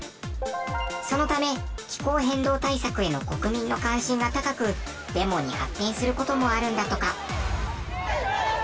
そのため気候変動対策への国民の関心が高くデモに発展する事もあるんだとか。